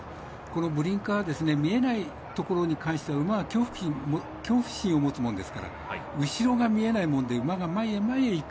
ブリンカーって見えないことに関して馬は恐怖心を持つものですから後ろが見えないもんで馬が前へ前へ行く。